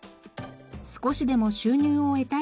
少しでも収入を得たいと思い